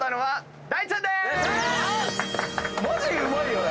マジうまいよね！